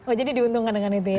oh jadi diuntungkan dengan itu ya